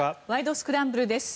スクランブル」です。